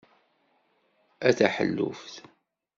A taḥelluft!